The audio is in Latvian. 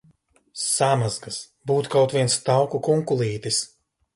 Samazgas! Būtu kaut viens tauku kunkulītis!